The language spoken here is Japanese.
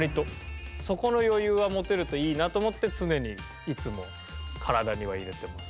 そこの余裕は持てるといいなと思って常にいつも体には入れてます。